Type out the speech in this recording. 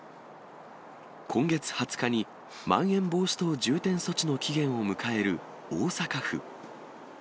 今月２０日にまん延防止等重点措置の期限を迎える大阪府。